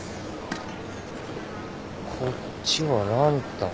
こっちはランタン。